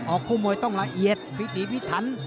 ออกคู่มวยต้องรายเอียดวิถีพิธรรม